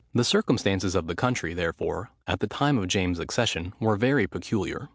The circumstances of the country, therefore, at the time of James's accession were very peculiar.